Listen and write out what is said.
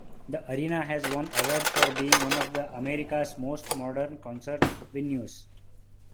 The arena has won awards for being one of America's most modern concert venues.